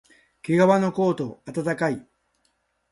けがわのコート、あたたかい